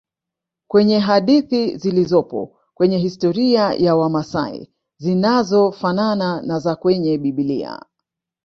Kwenye hadithi zilizopo kwenye historia ya wamasai zinazofanana na za kwenye bibilia